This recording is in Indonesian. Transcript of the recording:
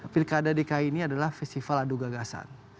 pilkada dki ini adalah festival adu gagasan